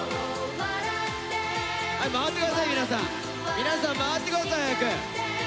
皆さん回ってください早く。